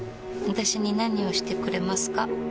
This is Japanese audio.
私に何をしてくれますか？